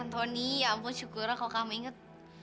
antoni ya ampun syukurlah kalau kamu inget